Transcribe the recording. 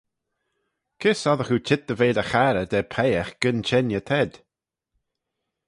Kys oddagh oo çheet dy ve dty charrey da peiagh gyn çhengey t'ayd?